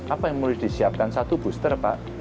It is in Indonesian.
apa yang mulai disiapkan satu booster pak